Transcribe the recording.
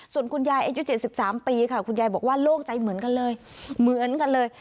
ส่วนคุณยายอายุเจอสิบสามปีคุณยายบอกว่าโล่งใจเหมือนกันเลย